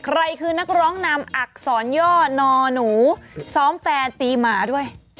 ใครคือนักร้องนำอักษรย่อนอหนูซ้อมแฟนตีหมาด้วย